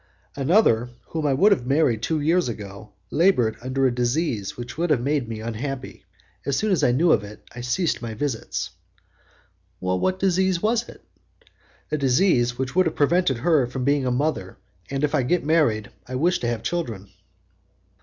"Another, whom I would have married two years ago, laboured under a disease which would have made me unhappy; as soon as I knew of it, I ceased my visits." "What disease was it?" "A disease which would have prevented her from being a mother, and, if I get married, I wish to have children."